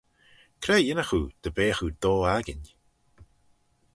Cre yinnagh oo dy beagh oo do-akin?